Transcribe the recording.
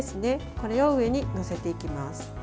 これを上に載せていきます。